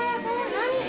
何？